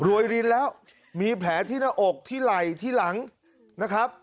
รินแล้วมีแผลที่หน้าอกที่ไหล่ที่หลังนะครับ